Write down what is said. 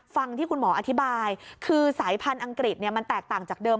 ฟังที่คุณหมออธิบายคือสายพันธุ์อังกฤษมันแตกต่างจากเดิม